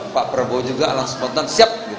pak prabowo juga alang spontan siap